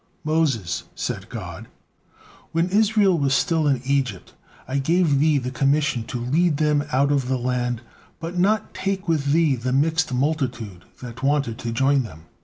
"Moses," said God, "when Israel was still in Egypt, I gave thee the commission to lead them out of the land, but not take with thee the mixed multitude that wanted to join them.